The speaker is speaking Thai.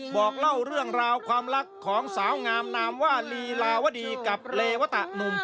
บอกเล่าเรื่องราวความรักของสาวงามนามว่าลีลาวดีกับเลวัตหนุ่ม